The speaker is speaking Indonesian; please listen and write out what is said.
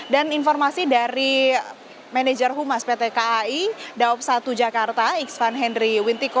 dan informasi dari manajer humas pt kai daob satu jakarta iksvan henry wintiko